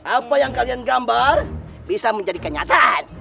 apa yang kalian gambar bisa menjadi kenyataan